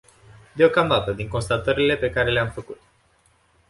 Deocamdată, din constatările pe care le-am făcut.